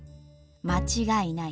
間違いない。